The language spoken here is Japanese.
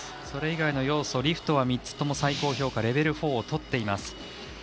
それ以外の要素は最高評価レベル４をとっています。